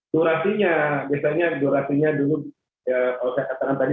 durasinya biasanya durasinya dulu ya kalau saya katakan tadi